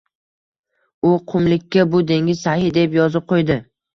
U qumlikka, "Bu dengiz sahiy" - deb yozib qõydi